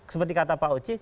seperti kata pak oci